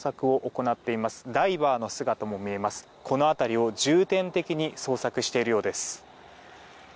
この辺りを重点的に捜索しているようです。